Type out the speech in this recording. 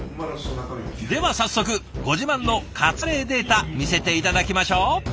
では早速ご自慢のカツカレーデータ見せて頂きましょう。